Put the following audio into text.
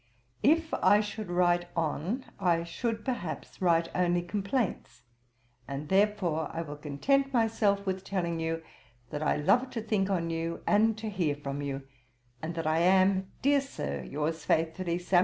'If I should write on, I should, perhaps, write only complaints, and therefore I will content myself with telling you, that I love to think on you, and to hear from you; and that I am, dear Sir, 'Yours faithfully, 'SAM.